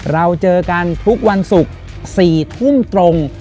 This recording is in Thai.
เราเจอกันทุกวันศุกร์๔ทุ่มตรง